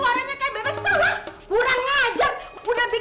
yang suaranya kayak bebek sawang